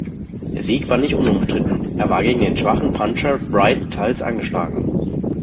Der Sieg war nicht unumstritten, er war gegen den schwachen Puncher Wright teils angeschlagen.